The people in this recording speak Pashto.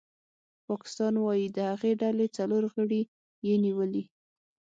پاکستان وايي د هغې ډلې څلور غړي یې نیولي